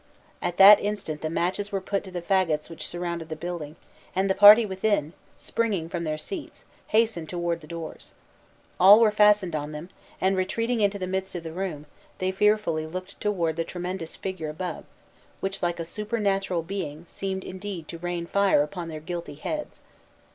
At that instant the matches were put to the fagots which surrounded the building; and the party within, springing from their seats, hastened toward the doors. All were fastened on them; and retreating into the midst of the room, they fearfully looked toward the tremendous figure above, which, like a supernatural being, seemed indeed come to rain fire upon their guilty heads.